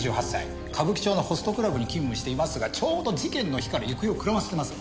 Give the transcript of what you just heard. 歌舞伎町のホストクラブに勤務していますがちょうど事件の日から行方をくらませてます。